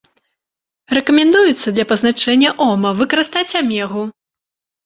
Рэкамендуецца для пазначэння ома выкарыстаць амегу.